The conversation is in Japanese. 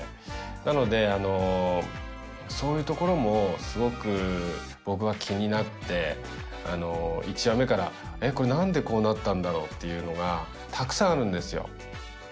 なのでそういうところもすごく僕は気になって１話目から「えっこれ何でこうなったんだろう」っていうのがたくさんあるんですよ